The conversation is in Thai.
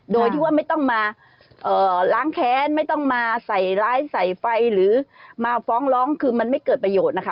โดยที่ว่าไม่ต้องมาล้างแค้นไม่ต้องมาใส่ร้ายใส่ไฟหรือมาฟ้องร้องคือมันไม่เกิดประโยชน์นะคะ